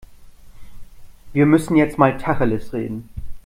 Wir müssen jetzt mal Tacheles reden.